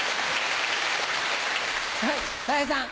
たい平さん。